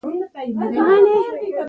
راز صاحب دې خدای وبخښي.